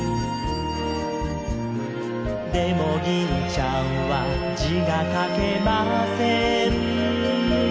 「でも銀ちゃんは字が書けません」